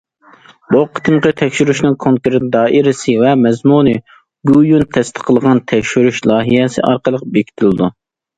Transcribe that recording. بۇ قېتىمقى تەكشۈرۈشنىڭ كونكرېت دائىرىسى ۋە مەزمۇنى گوۋۇيۈەن تەستىقلىغان تەكشۈرۈش لايىھەسى ئارقىلىق بېكىتىلىدۇ.